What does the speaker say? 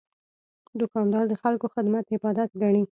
دوکاندار د خلکو خدمت عبادت ګڼي.